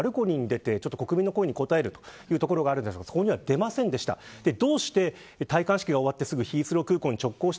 普段でしたらバルコニーに出て国民の声に応えるところがあるんですがそこには出ませんでした。